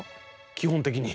基本的に。